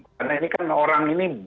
karena ini kan orang ini